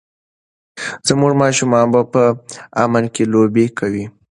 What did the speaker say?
زموږ ماشومان به په امن کې لوبې کوي.